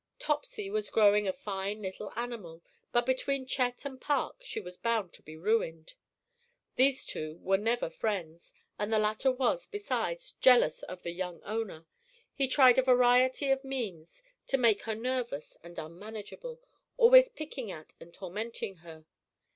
Topsy was growing a fine, little animal, but between Chet and Park she was bound to be ruined. These two were never friends, and the latter was, besides, jealous of the young owner. He tried a variety of means to make her nervous and unmanageable, always picking at and tormenting her.